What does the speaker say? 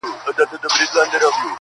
د مېږیانو کور له غمه نه خلاصېږي--!